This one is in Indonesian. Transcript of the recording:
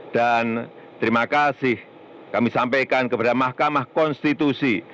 dan terima kasih kami sampaikan kepada mahkamah konstitusi